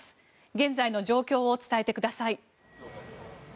現在の状況を伝えてください。